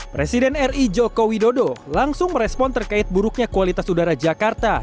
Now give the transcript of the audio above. presiden ri joko widodo langsung merespon terkait buruknya kualitas udara jakarta